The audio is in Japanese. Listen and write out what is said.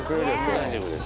大丈夫です。